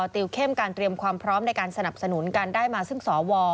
ติวเข้มการเตรียมความพร้อมในการสนับสนุนการได้มาซึ่งสว